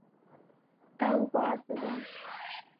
Ew baz didin.